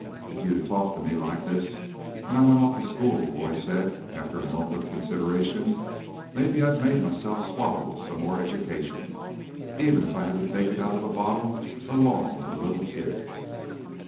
"If you'd talked to me like this when I went off to school," the boy said, after a moment of consideration, "mebbe I'd of made myself swallow some more education, even if I had to take it out of a bottle along with the little kids."